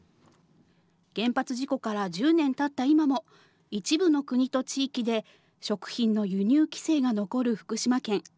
原発事故から１０年たった今も、一部の国と地域で、食品の輸入規制が残る福島県。